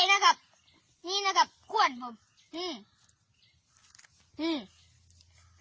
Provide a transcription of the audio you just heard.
นี่นะครับนี่นะครับว่านักผมหืม